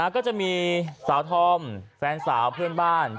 ก็จะมีสาวธอมแฟนสาวเพื่อนบ้าน